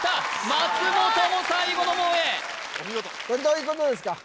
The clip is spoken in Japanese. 松本も最後の門へこれどういうことですか？